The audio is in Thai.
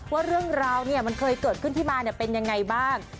ว่าเรื่องราวมันเคยเกิดขึ้นที่มาเป็นยังไงบ้าง